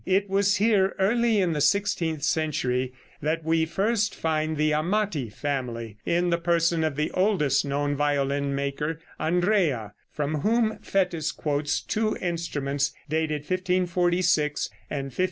It was here early in the sixteenth century that we first find the Amati family in the person of the oldest known violin maker, Andrea, from whom Fétis quotes two instruments dated 1546 and 1551.